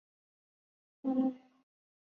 不时拍拍她